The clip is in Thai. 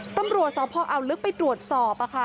ตำรวจสาวพอเอาลึกไปตรวจสอบค่ะ